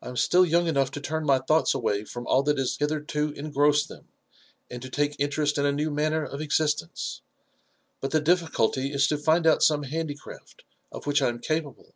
"I am still young enough to turn my thoughts away from all that has hitherto engrossed them, and to take interest in a new manner of existence ; but the difficulty IS to find out some handicraft of which I am capable."